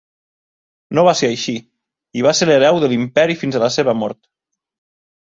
No va ser així, i va ser l'hereu de l'imperi fins a la seva mort.